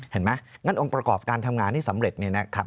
เห็นไหมงั้นองค์ประกอบการทำงานที่สำเร็จเนี่ยนะครับ